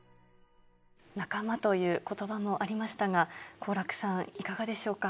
仲間ということばもありましたが、好楽さん、いかがでしょうか。